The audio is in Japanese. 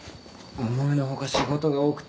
思いの外仕事が多くて。